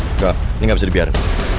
enggak ini gak bisa dibiarin